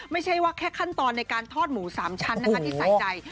ไม่ใช่ว่าแค่ขั้นตอนในการทอดหมู๓ชั้นนะคะที่ใส่ใจ